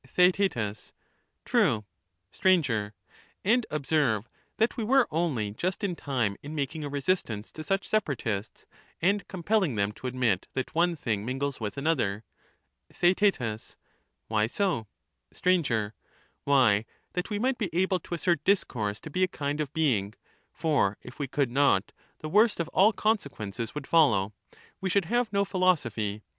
TheaeU True. Sir, And, observe that we were only just in time in making a resistance to such separatists, and compelling them to admit that one thing mingles with another. TheaeU Why so ? 5/r. Why, that we might be able to assert discourse to be The utter a kind of being : for if we could not, the worst of all con separaUon 1 1 /• 11 * .1 v/r ofallexist sequences would follow; we should have no philosophy.